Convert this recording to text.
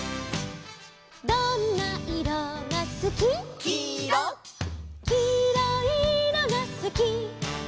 「どんないろがすき」「」「きいろいいろがすき」